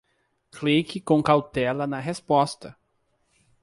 Clique com cautela na resposta!